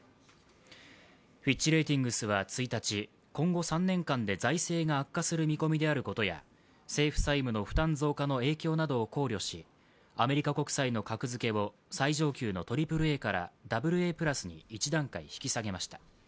フィッチ・レーティングスは１日今後３年間で財政が悪化する見込みであることや政府債務の負担増加の影響などを考慮しアメリカ国債の格付けを最上級ののＡＡＡからＡＡプラスに１段階引き下げました。